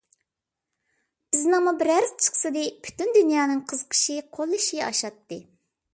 بىزنىڭمۇ بىرەرسى چىقسىدى، پۈتۈن دۇنيانىڭ قىزىقىشى، قوللىشى ئاشاتتى.